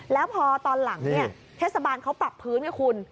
แล้วพอตอนหลังเทศบาลเขาปรับพื้นไงคุณ